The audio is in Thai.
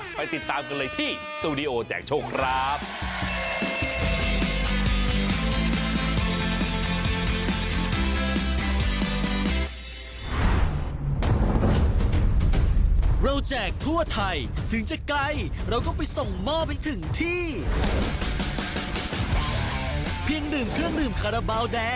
ไปติดตามกันเลยที่สตูดิโอแจกโชคครับ